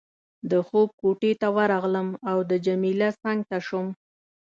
د خوب کوټې ته ورغلم او د جميله څنګ ته شوم.